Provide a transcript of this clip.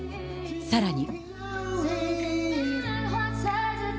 さらに。